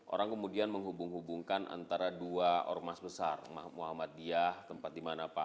orang kemudian menghubung hubungkan antara dua ormas besar muhammad diyah tempat dimana pak